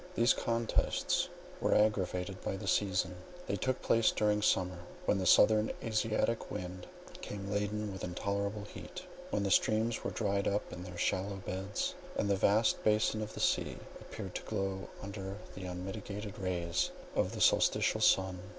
These contests were aggravated by the season: they took place during summer, when the southern Asiatic wind came laden with intolerable heat, when the streams were dried up in their shallow beds, and the vast basin of the sea appeared to glow under the unmitigated rays of the solsticial sun.